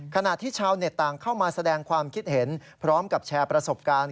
ขณะที่ชาวเน็ตต่างเข้ามาแสดงความคิดเห็นพร้อมกับแชร์ประสบการณ์